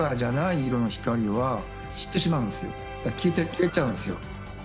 消えちゃうんですよ。